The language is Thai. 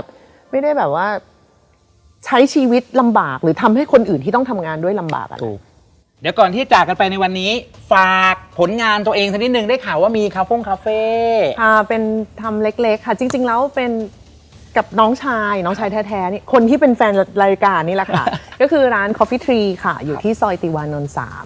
พี่แจ๊คเป็นพยานนะเป็นจริงพี่แจ๊คเป็นพยานนะ